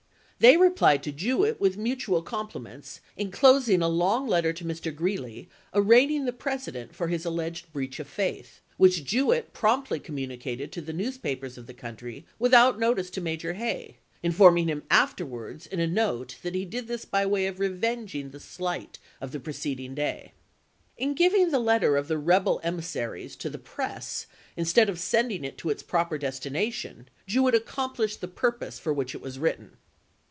They replied to Jewett with mutual compliments, inclosing a long letter to Mr. Greeley arraigning the President for his alleged breach of faith, which Jewett promptly communicated to the newspapers of the country without notice to Major Hay, informing him afterwards in a note that he did this by way of revenging the slight of the preceding day. In giving the letter of the rebel emissaries to the press instead of sending it to its proper destina tion, Jewett accomplished the purpose for which it was written.